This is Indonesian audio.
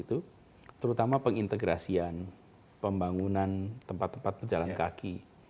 terutama pengintegrasian pembangunan tempat tempat pejalan kaki